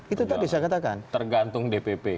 itu tidak bisa dikatakan tergantung dpp